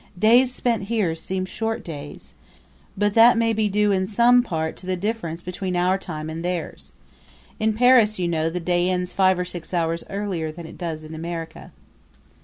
Days spent here seem short days; but that may be due in some part to the difference between our time and theirs. In Paris, you know, the day ends five or six hours earlier than it does in America.